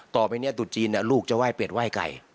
ต่อไปเนี่ยตุดจีนลูกจะไห้เป็ดไหว้ไก่